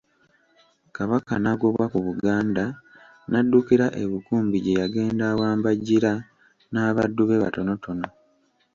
Kabaka n'agobwa ku Buganda n'addukira e Bukumbi gye yagenda awambajjira n'abaddu be batonotono.